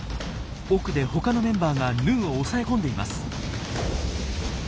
奥で他のメンバーがヌーを押さえ込んでいます。